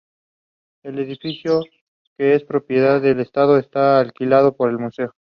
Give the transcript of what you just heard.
El edificio, que es propiedad del Estado, está alquilado por el museo.